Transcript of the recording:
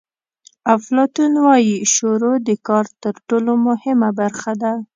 افلاطون وایي شروع د کار تر ټولو مهمه برخه ده.